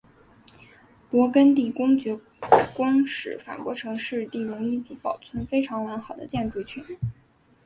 勃艮第公爵宫是法国城市第戎一组保存非常完好的建筑群。